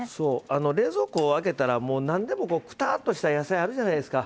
冷蔵庫、開けたらなんでも、くたーっとした野菜あるじゃないですか。